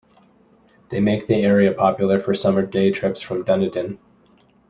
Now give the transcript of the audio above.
They make the area popular for summer day trips from Dunedin.